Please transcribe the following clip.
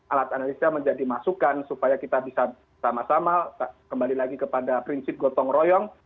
alat analisa menjadi masukan supaya kita bisa sama sama kembali lagi kepada prinsip gotong royong